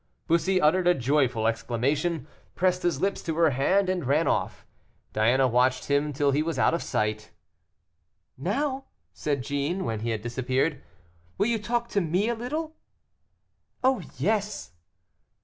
Bussy uttered a joyful exclamation, pressed his lips to her hand, and ran off. Diana watched him till he was out of sight. "Now!" said Jeanne, when he had disappeared, "will you talk to me a little?" "Oh! yes."